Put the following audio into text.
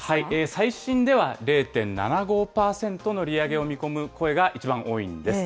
最新では、０．７５％の利上げを見込む声が一番多いんです。